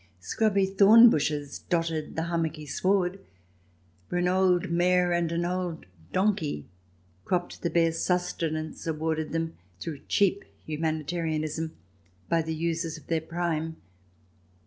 Scrubby thorn bushes dotted the hummocky sward, where an old mare and an old donkey cropped the bare sustenance awarded them through cheap humanitarianism by the users of their prime.